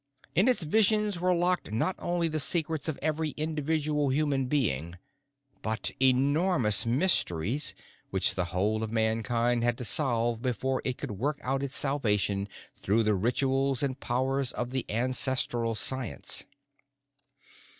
In its visions were locked, not only the secrets of every individual human being, but enormous mysteries which the whole of Mankind had to solve before it could work out its salvation through the rituals and powers of the ancestral science.